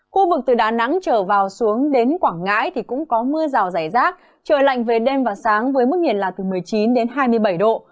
khu vực từ đà nẵng trở vào xuống đến quảng ngãi thì cũng có mưa rào rải rác trời lạnh về đêm và sáng với mức nhiệt là từ một mươi chín đến hai mươi bảy độ